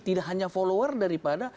tidak hanya follower daripada